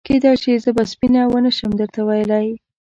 کېدای شي زه به سپینه ونه شم درته ویلای.